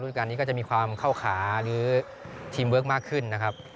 การนี้ก็จะมีความเข้าขาหรือทีมเวิร์คมากขึ้นนะครับ